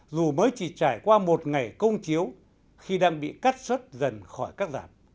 dù mới chỉ trải qua một ngày công chiếu khi đang bị cắt xuất dần khỏi các giảm